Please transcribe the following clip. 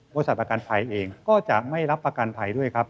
ประกันภัยเองก็จะไม่รับประกันภัยด้วยครับ